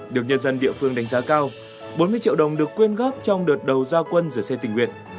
được nhân dân địa phương đánh giá cao bốn mươi triệu đồng được quyên góp trong đợt đầu giao quân rửa xe tình nguyện